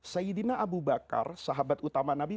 sayyidina abu bakar sahabat utama nabi